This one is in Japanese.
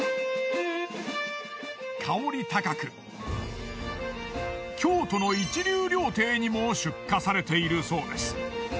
香り高く京都の一流料亭にも出荷されているそうです。